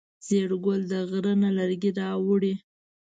زیړ ګل د غره نه لرګی راوړی.